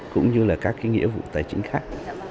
cũng như là các cái nghĩa vụ tài chính khác